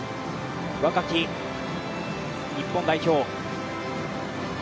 若き日本代表。